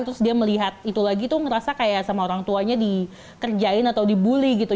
terus dia melihat itu lagi tuh ngerasa kayak sama orang tuanya dikerjain atau dibully gitu